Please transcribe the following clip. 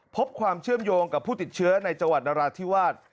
พบความเชื่อมโยงกับผู้ติดเชื้อในจังหวัดนราธิวาส